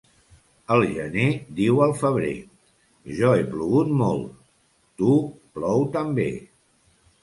El gener diu al febrer: jo he plogut molt; tu, plou també.